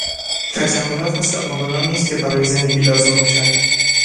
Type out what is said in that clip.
تجملات مثل آب و نان نیست که برای زندگی لازم باشد.